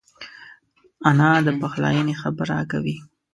انا د پخلاینې خبره کوي